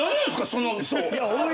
その嘘。